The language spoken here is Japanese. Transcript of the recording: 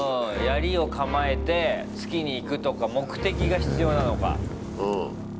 やりを構えて突きにいくとか目的が必要なのか。